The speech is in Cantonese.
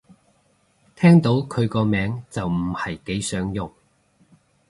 聽到佢個名就唔係幾想用